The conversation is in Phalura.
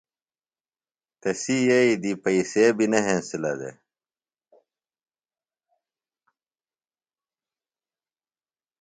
تسی یئیی دی پئسے بیۡ نہ ہنسِلہ دےۡ۔